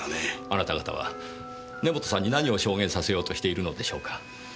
あなた方は根元さんに何を証言させようとしているのでしょうか？